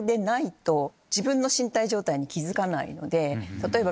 例えば。